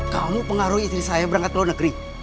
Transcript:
kamu pengaruhi istri saya berangkat ke luar negeri